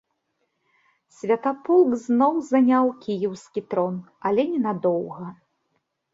Святаполк зноў заняў кіеўскі трон, але ненадоўга.